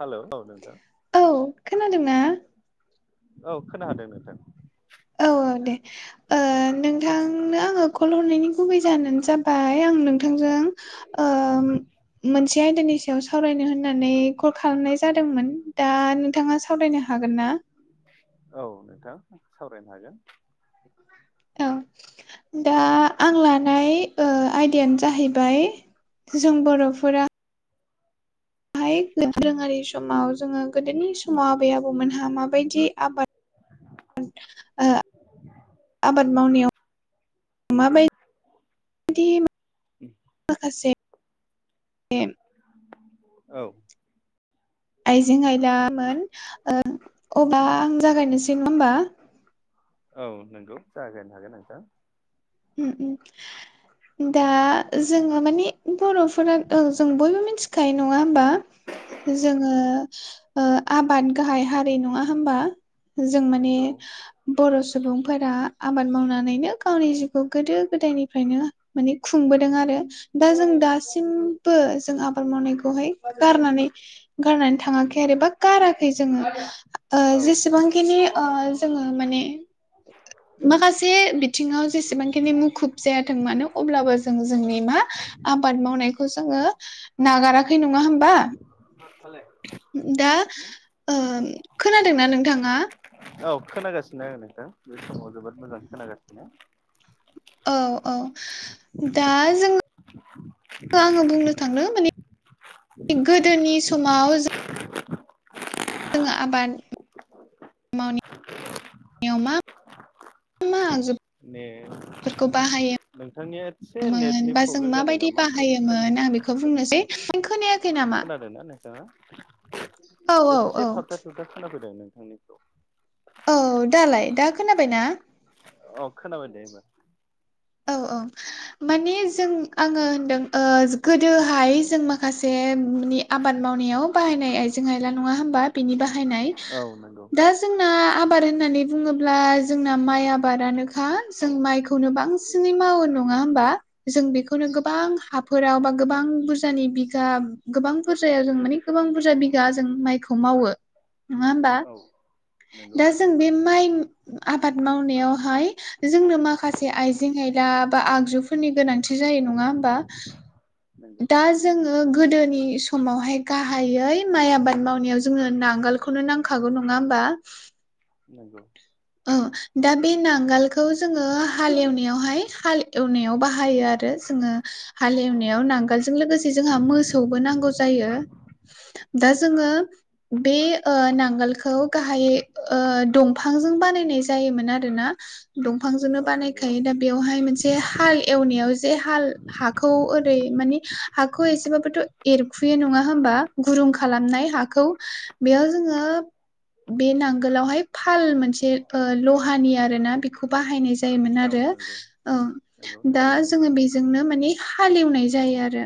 Hello औ नोंथां औ खोनादोंना औ खोनादों नोंथां औ औ दे नोंथांनो आङो कल हरनायनि गुबै जाहोनानो जाबाय आं नोंथांजों मोनसे आयदानि सायाव सावरायनो होननानै कल खालामनाय जादोंमोन दा नोंथाङा सावरायनो हा हागोन ना? औ नोंथां सावरायनो हागोन औ दा आं लानाय आयदायानो जाहैबाय जों बर'फोरा हाय दोरोङारि समाव जोङो गोदोनि समाव आबै आबौमोनहा माबायदि आबाद ओ आबाद मावनायाव माबायदि माखासे बे औ आइजें आयलामोन अब्ला आं जागायनोसै होमबा औ नंगौ जागायनो हागोन नोंथां दा जोङो मानि बर'फोरा जों बयबो मिथि खायो नङा होमबा जोङो आब आबाद गाहाय हारि नङा होमबा जों माने नंगौ बर' सुबुंफोरा आबाद मावनानैनो गावनि जिउ बे खौ गोदो गोदायनिफ्रायनो माने खुंबोदों आरो दा जों दासिमबो जों आबाद मावनायखौहाय गारनानै गारनानै थाङाखै आरो बा गाराखै जोङो औ नंगौ जेसेबांखिनि जों माने माखासे बिथिङाव जेसेबांखिनि मुखुब जायाथों मानो अब्लाबो जों जोंनि मा आबाद मावनायखौ जोङो नागाराखै नङा होमबा मा फालाय दा ओ खोनादोंना नोंथाङा औ खोनागासिनो आं नोंथां बे समाव जोबोद मोजां खोनागासिनो औ औ दा जोङो आङो बुंनो थांदों माने गोदोनि समाव जों जोङो आबाद मा मा आगजु ए नोंथांनिया एसे नेटनि बा जों प्रब्लेम जादों माबायदि नामा एसे बे खोनायाखै नामा नोंथाङा औ औ एसे औ थाबथा थाबथा खोना फैदों नोंथांनि औ दालाय दा खोनाबाय ना? अ खोनाबाय दे एबार औ औ माने जों आङो होनदों ओ गोदोहाय जों माखासे आबाद मावनायाव बाहायनाय आइजें आइला नङा होमबा बिनि बाहायनाय औ नंगौ दा जोंना आबाद होननानै बुङोब्ला जोंना माइ आबादानोखा जों माइखौनो बांसिनै मावो नङा होमबा जों बेखौनो गोबां हाफोराव बा गोबां बुरजानि बिगा गोबां बुरजायाव जों मानि गोबां बुरजा बिगा जों माइखौ मावो नङा होमबा औ नंगौ दा जों बे माइ आबाद मावनायावहाय जोंनो माखासे आइजें आइला बा आगजुफोरनि गोनांथि जायो नङा होनबा नंगौ दा जोङो गोदोनि समावहाय गाहायै माइ आबाद मावनायाव जोंनो नांगोलखौ खौनो नांखागौ नङा होमबा? नोंगौ। औ दा बे नांगोलखौ जोङो हाल एवनायावहाय हाल एवनायाव बाहायो बाहायो आरो जोङो। हाले एवनायाव नांगोलजों लोगोसे जोंहा मोसौबो नांगौ जायो। दा जोङो बे ओ नांगोलखौ गाहायै ओ दंफांजों बानायनाय जायोमोन आरोना दंफांजोंनो औ नंगौ बानायखायो दायो बेवहाय मोनसे हाल एवनायाव जे हाल हाखौ ओरै माने हाखौ एसेबाबोथ' एरखुयो नङा होमबा? गुरुं खालामनाय हाखौ बेयाव जोङो बे नांगोलावहायो फाल मोनसे ओ लहानि आरोना खौ बाहायनाय जायोमोन औ आरो नंगौ ओम नंगौ औ दा थारैनो जोङो बेजोंनो माने हाले एवनाय जायो आरो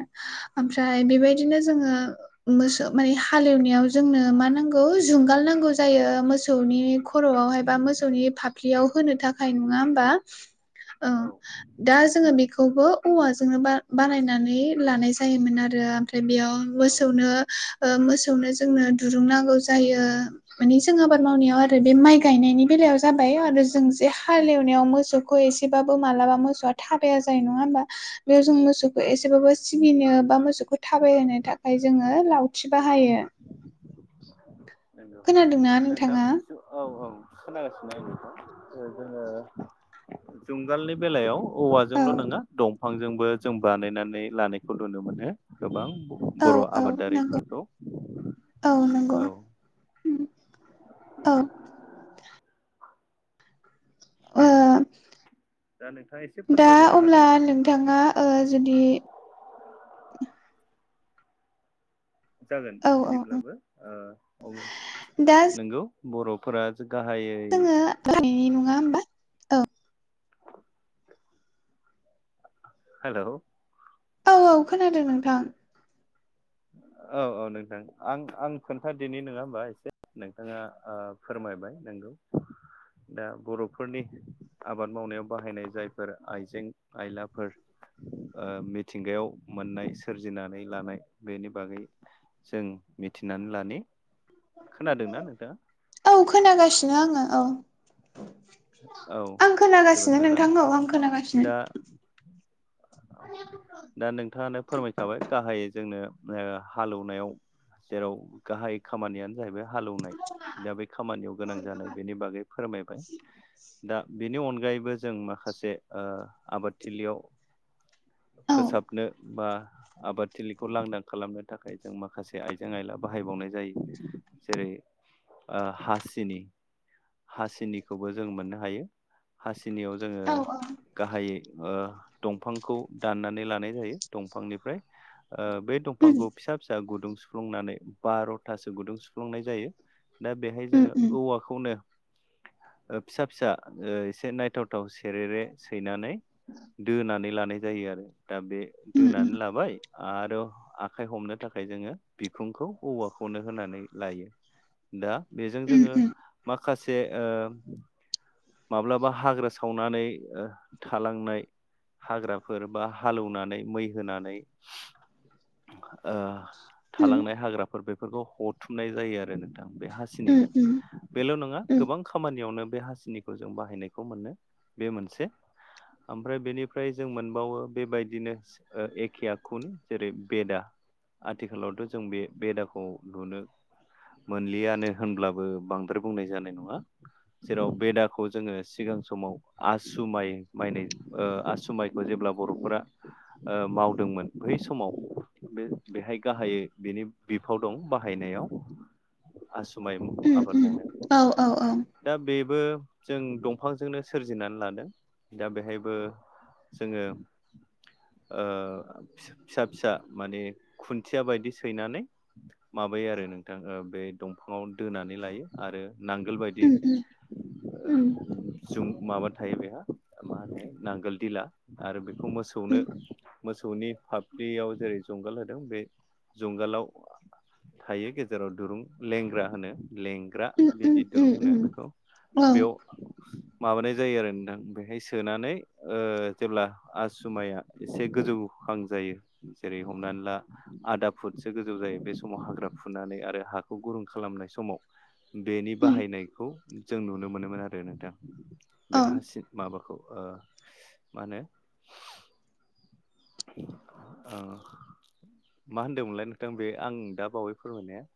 ओमफ्राय बेबायदिनो जोङो। मोसौ माने हाल एवनायाव जोंनो मा नांगौ जुंगाल नांगौ जायो मोसौनि खर'आवहाय बा मोसौनि फाफ्लियाव होनो थाखाय नङा होमबा औ। दा जोङो बेखौबो औवाजोंनो बाना बानायनानै लानाय जायोमोन आरो ओमफ्राय बेयाव औ मोसौनो ओ मोसौनो जोंनो दुरुं नांगौ जायो मानि जों आबाद मावनायाव आरो आरो बे माइ गायनायनि बेलायाव जाबाय आरो जों जे हाले एवनायाव मोसौखौ एसेबाबो मालाबा मोसौआ। थाबाया जायो नङा हबा बेयाव जों मोसौखौ एसेबाबो सिगिनो बा मोसौखौओ थाबाय होनो थाखाय जोङो लावथि बाहायो। खोनादोंना नोंथाङा औ-औ खोनागासिनो [unintelligible] बेखौ जोङो जुंगालनि बेलायावो औ औवाजोंल' नङा दंफांजोंबो जों बानायनानै लानायखौ नुनो मोनो गोबां। औ बर' औ नंगौ आबादारिफोरखौ औ। औ ओ दा नोंथाङा एसे फोरमायबावनो हागोन। बिथाङा जुदि ओ जागोन औ औ औ बिदिब्लाबो ओ दा औ नोंगौ बर'नो फोरा गाहायै [unintelligible] नङा होमबा हेलौ औ औ खोनादों नोंथां। औ औ नोंथां आं आं खोन्थादोनि नङा होमबा एसे नोंथाङा ओ फोरमायबाय नोंगौ। दा बर'फोरनि आबाद मावनायाव बाहायनाय जायफोर आइजें आइलाफोर ओ मिथिंगायाव मोननाय सोरजिनानै लानाय बेनि बागै जों मिथिनानै लानि खोनादोंना नोंथाङा? औ खोनागासिनो आङो औ। औ आं जोबोद खोनागासिनो मोजां नोंथां औ आं दा खोनागासिनो। दा नोंथाङानो फोरमायखाबाय गाहायै जोंनो हालेवनायावो जेराव गाहाय खामानियानो जाहैबाय हाल एवनाय दा बे खामानियाव गोनां जानाय बेनि बागै फोरमायबाय। दा बेनि अनगायैबो जों माखासे आबादथिलियावो औ फोसाबनो बा आबाद थिलिखौ लांदां खालामनो थाखाय जों माखासे आयजें आयला बाहायबावनाय जायो जेरैओ आ हासिनि हासिनिखौ खौबो जों मोननो हायो हासिनियाव जोङो औ गाहायै ओ दंफांखौ दाननानै लानाय जायो दंफांनिफ्राय बे उम दंफांखौ फिसा फिसा गुदुं सुफ्लुंनानै बार'थासो गुदुं सुफ्लुंनाय जायो। दा बेहाय उम जोङो औवाखौनो ओ फिसा फिसा एसे नायथाव थाव सेरेरे सैनानै दोनानै लानाय जायो आरो दा बे उम उम दोनानै लाबाय आरो आखाइ हमनो थाखाय जोङो बिखुंखौ औवाखौनो होनानै लायो दा बेजों उम जोङो उम माखासे ओ माब्लाबा हाग्रा सावनानै थालांनाय हाग्राफोर बा हाल एवनानै मै होनानै ओ उम थालांनाय हाग्राफोर बेफोरखौ हथुमनाय जायो आरो नोंथां बे उम हासिनिजों उम बेल' नङा उम गोबां खामानियावनो बे हासिनि खौ जों बाहायनायखौ मोनो बे मोनसे ओमफ्राय बेनिफ्राय जों मोनबावो बेबायदिनो ओ एखे आखुनो जेरै बेदा आथिखालावथ' जों बे बेदाखौ नुनो मोनलियानो होनब्लाबो बांद्राय बुंनाय जानाय नङा जेराव बेदा खौ जोङो सिगां समाव आसु माइ माइनाय ओ आसु माइखौ जेब्ला बर'फोरा ओ मावदोंमोन बै समाव बे बेहाय गाहायै बिनि बिफाव दं बाहायनायाव। आसु माइ उम आबाद उम मावनाय औ औ औ दा बेबो जों दंफांजोंनो सोरजिनानै लादों दा बेहायबो जोङो ओ फिसा फिसा माने खुनथिया बायदि सैनानै माबायो आरो नोंथां बे दंफाङाव दोनानै लायो आरो नांगोल बायदि उम उम उम जुम माबा थायो बेहा मा होनो नांगोल दिला आरो बेखौ मोसौ नो उम मोसौनि फाब्लियाव जेरै जुंगाल होदों बे जुंगालाव थायो गेजेराव दुरुं लेंग्रा होनो लेंग्रा उम उम बिदि दुरुं उम होनो उम बेखौ। औ बेयाव माबानाय जायो आरो नोंथां बेहाय सोनानै ओ जेब्ला आसु माइया एसे गोजौ हां जायो जेरै हमनानै ला आदा फुटसो गोजौ जायो बे समाव हाग्रा फुनानै आरो हाखौ गुरुं खालामनाय समाव बेनि उम बाहायनायखौ जों नुनो मोनोमोन आरो नोंथां बे औ हासि माबाखौ ओ मा होनो ओ मा होनदोंमोनलाय नोंथां बे आं दा बावै फोरमायनाया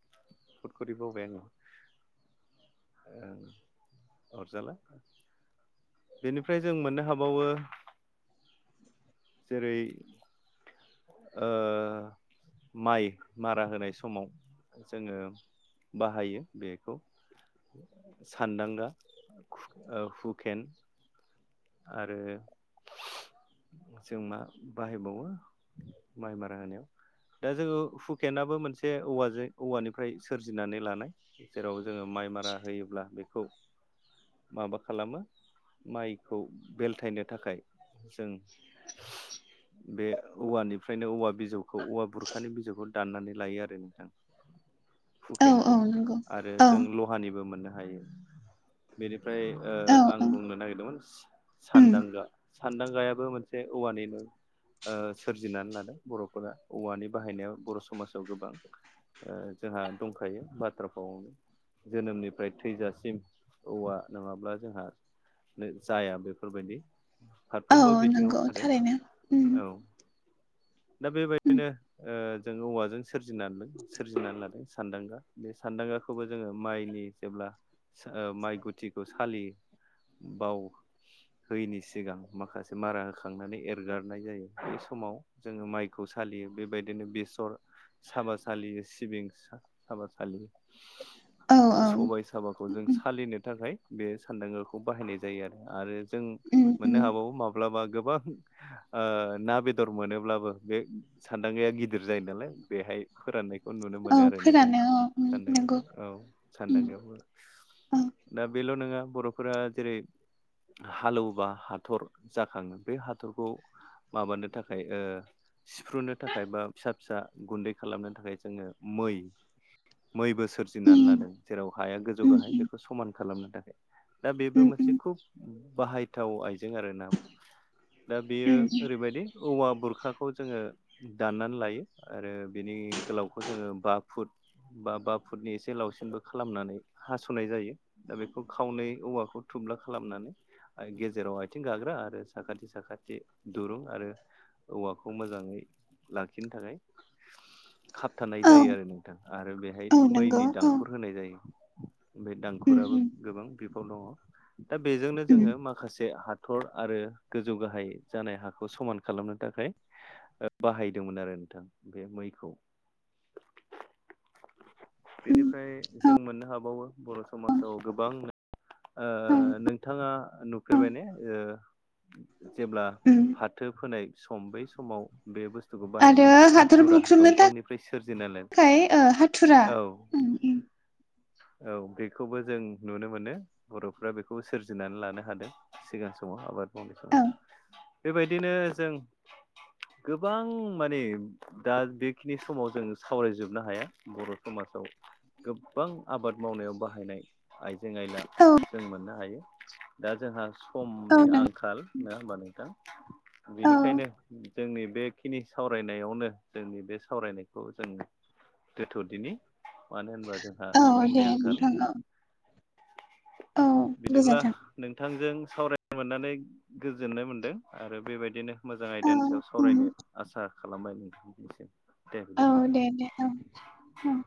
फद खि बावबाय ओ अरजाला बेनिफ्राय जों मोननो हाबावो जेरै ओ माइ मारा होनाय समाव जोङो बाहायो बेखौ सानदांगा। हुकेन आरो जों मा बाहायबावो माइ मारा होनायाव दा जोङो हुकेनाबो मोनसे औवाजों औवानिफ्राय सोरजिनानै लानाय। जेराव जोङो माइ मारा होयोब्ला बेखौ माबा खालामो माइखौ बेलथायनो थाखाय जों बे औवानिफ्रायनो औवा बिजौखौ औवा बुरखानि बिजौखौ दनानै लायो आरो नोंथां औ हुखेनखौ औ नंगौ आरो औ जों लहानिबो मोननो हायो। बेनिफ्राय ओ औ आं औ बुंनो नागिरदोंमोन उम सानदांगा सानदांगायाबो मोनसे औवानिनो ओ सोरजिनानै लादों बर'फोरा औवानि बाहायनाय बर' समाजाव गोबां ओ जोंहा दंखायो बाथ्रा फावावनो जोनोमनिफ्राय थैजासिम औवा नङाब्ला जोंहा नो जाया बेफोरबायदि औ फारफ्रोमबो बिथिङाव नंगौ आरो थारैनो उम औ। दा उम बेबायदिनो ओ जोङो औवाजों सोरजिनानदों सोरजिनान लादों सानदांगा। बे सानदांगाखौबो जोङो माइनि जेब्ला ओ माइ गुथिखौ सालियो बाव होयैनि सिगां माखासे मारा होखांनानै एरगारनाय जायो बे समाव जोङो माइखौ सालियो। बेबायदिनो बेसर साबा सालियो सिबिं सा-साबा सालियो। औ ओ औ सबाय साबाखौ जों उम सालिनो थाखाय बे सानदांगाखौ बाहायनाय जायो आरो आरो जों उम उम मोननो हाबावो माब्लाबा गोबां ओ ना बेदर मोनोब्लाबो बे सान्दांगाया गिदिर जायो नालाय बेहाय फोराननायखौ नुनो औ मोनो आरो नोंथां फोरानो औ उम सानदां नंगौ औ उम सानदांगायावबो। औ दा बेल' नोङा बर'फोरा जेरै हालौवोबा हाथर जाखाङो बे हाथरखौ माबानो थाखाय ओ सिफ्रुनो थाखाय बा फिसा फिसा गुन्दै खालामनो थाखाय जोङो मै मैबो सोरजिनानै उम लादों जेराव हाया गोजौ उम गाहाय उम बेखौ समान खालामनो थाखाय दा बेबो उम मोनसे उम खुब बाहायथाव आइजें आरोना। दा बेयो उम ओरैबायदि औवा बुरखाखौ जोङो दाननानै लायो आरो बिनि गोलावखौ जोङो बा फुट बा बा फुटनि एसे लावसिनबो खालामनानै फुनाय जायो दा बेखौ खावनै औवाखौ थुब्ला खालामनानै आइ गेजेराव आथिं गाग्रा आरो साखाथि साखाथि दुरुं आरो औवाखौ मोजाङै लाखिनो थाखाय खाबथानाय औ जायो आरो नोंथां आरो बेहाय औ नंगौ मैनि औ दांखुर होनाय जायो। बे उम दांखुराबो उम गोबां बिफाव दङ दा बेजोंनो उम जोङो माखासे हा थर आरो गोजौ गाहाय जानाय हाखौ समान खालामनो थाखाय ओ बाहायदोंमोन आरो नोंथां बे मैखौ। [inaudible] बिनिफ्राय जों मोननो हाबावो बर' समासाव गोबां ओ औ नोंथाङा औ नुफेरबायने ओ जेब्ला उम फाथो फोनाय सम बै समाव बे बुस्थुखौ आरो बाहायोमोन हाथुरा दंफांनिफ्राय सोरजिनालाय खाय ओ हाथुरा औ उम औ बेखौबो जों नुनो मोनो। बर'फ्रा बेखौ सोरजिनानै लानो हादों सिगां समाव आबाद मावनाय समाव। औ बेबायदिनो जों गोबां मानि दा बेखिनि समाव जों सावरायजोबनो हाया बर' समासाव गोबां आबाद मावनायाव बाहायनाय आइजें आयला औ जों मोननो हायो। दा जोंहा औ समनि नों आंखाल नोङा होमबा नोंथां। औ बिनिखायनो जोंनि बेखिनि सावरायनायावनो जोंनि बे सावरायनायखौ जों दोनथदिनि। मानो होनबा जोंहा अ दे समनि आंखाल नोंथां अ। बिदिब्ला गोजोन्थों नोंथांजों सावरायनो मोननानै गोजोननाय मोनदों आरो बेबायदिनो मोजां औ आयदानि सायाव उम सावरायनो आसा खालामबाय नोंथांनिसेम। दे औ बिदिब्ला। दे दे औ औ